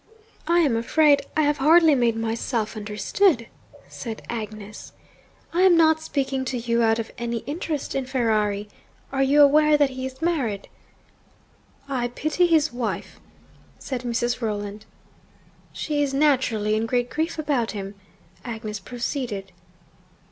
'I am afraid I have hardly made myself understood,' said Agnes. 'I am not speaking to you out of any interest in Ferrari. Are you aware that he is married?' 'I pity his wife,' said Mrs. Rolland. 'She is naturally in great grief about him,' Agnes proceeded.